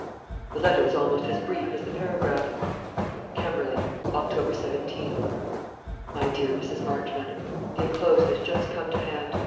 The letter was almost as brief as the paragraph: "Kemberling, October 17th. "MY DEAR MRS. MARCHMONT, The enclosed has just come to hand.